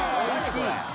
これ。